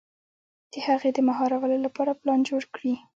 د هغې د مهارولو لپاره پلان جوړ کړي.